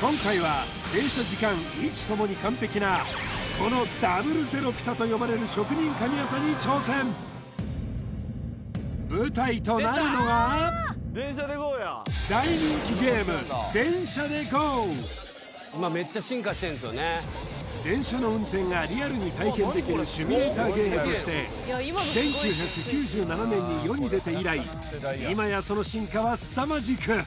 今回は停車時間位置ともに完璧なこのダブルゼロピタとよばれる職人神業に挑戦舞台となるのが大人気ゲーム電車の運転がリアルに体験できるシミュレーターゲームとして１９９７年に世に出て以来今やその進化はすさまじく